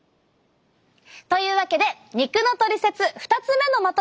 というわけで肉のトリセツ２つ目のまとめです。